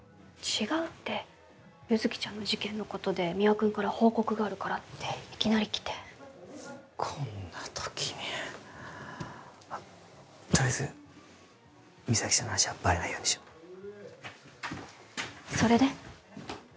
違うって優月ちゃんの事件のことで三輪君から報告があるからっていきなり来てこんな時にとりあえず実咲ちゃんの話はバレないようにしようそれで？